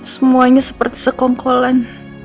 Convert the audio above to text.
semuanya seperti sekongkolan